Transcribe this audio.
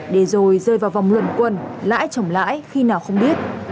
để rồi rơi vào vòng luận quân lãi chổng lãi khi nào không biết